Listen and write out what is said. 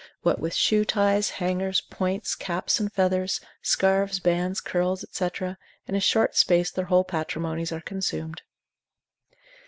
What with shoe ties, hangers, points, caps and feathers, scarves, bands, curls, &c., in a short space their whole patrimonies are consumed.